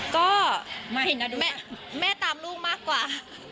ก็แม่ตามลูกมากกว่า